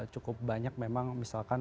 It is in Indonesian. cukup banyak memang misalkan